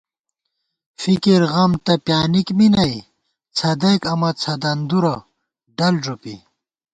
فِکِرغم تہ پیانِک می نئ څھدَئیک امہ څھدَندُرہ ڈل ݫُپی